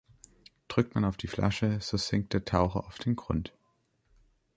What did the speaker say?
Drückt man auf die Flasche, so sinkt der Taucher auf den Grund.